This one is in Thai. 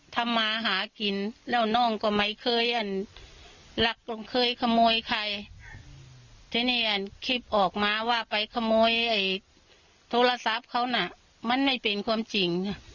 โทรศัพท์เค้าน่ะมันไม่เป็นความจริง